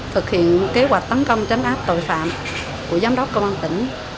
thực hiện kế hoạch tấn công chấn áp tội phạm của giám đốc công an tỉnh